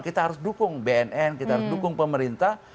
kita harus dukung bnn kita harus dukung pemerintah